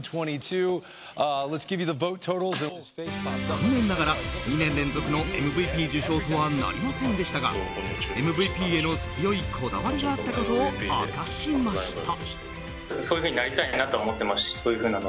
残念ながら２年連続のＭＶＰ受賞とはなりませんでしたがＭＶＰへの強いこだわりがあったことを明かしました。